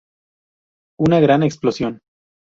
Una gran explosión!